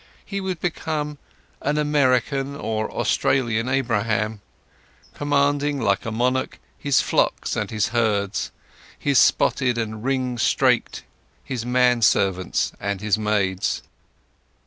He would become an American or Australian Abraham, commanding like a monarch his flocks and his herds, his spotted and his ring straked, his men servants and his maids.